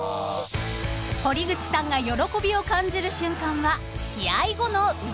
［堀口さんが喜びを感じる瞬間は試合後の打ち上げ］